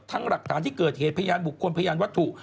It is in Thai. หลักฐานที่เกิดเหตุพยานบุคคลพยานวัตถุ